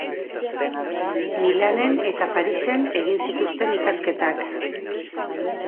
Milanen eta Parisen egin zituen ikasketak.